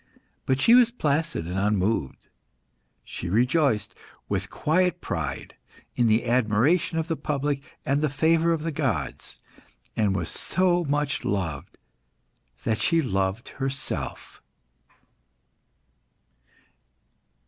But she was placid and unmoved. She rejoiced, with quiet pride, in the admiration of the public and the favour of the gods, and was so much loved that she loved herself.